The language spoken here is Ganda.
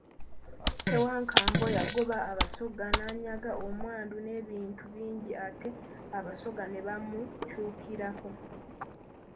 Ssewankambo yagoba Abasoga n'anyaga omwandu n'ebintu bingi, ate Abasoga ne bamukyukirako.